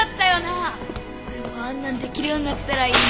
俺もあんなのできるようになったらいいな。